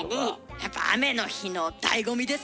やっぱ雨の日のだいご味ですな！